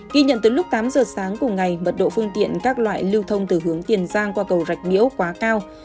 ghi nhận từ lúc tám giờ sáng cùng ngày mật độ phương tiện các loại lưu thông từ hướng tiền giang qua cầu rạch miễu quá cao